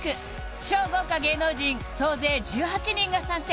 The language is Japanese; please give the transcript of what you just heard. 超豪華芸能人総勢１８人が参戦！